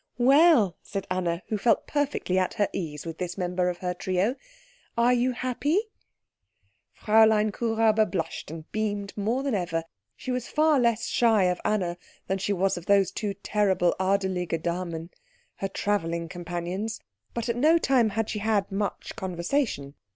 "Well," said Anna, who felt perfectly at her ease with this member of her trio, "are you happy?" Fräulein Kuhräuber blushed, and beamed more than ever. She was far less shy of Anna than she was of those two terrible adelige Damen, her travelling companions; but at no time had she had much conversation.